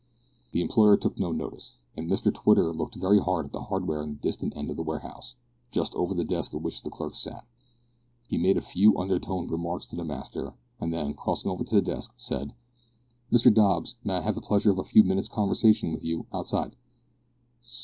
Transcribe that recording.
The employer took no notice, and Mr Twitter looked very hard at the hardware in the distant end of the warehouse, just over the desk at which the clerks sat. He made a few undertoned remarks to the master, and then, crossing over to the desk, said: "Mr Dobbs, may I have the pleasure of a few minutes' conversation with you outside?"